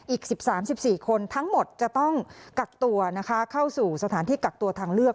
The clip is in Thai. อีก๑๓๑๔คนทั้งหมดจะต้องกักตัวนะคะเข้าสู่สถานที่กักตัวทางเลือก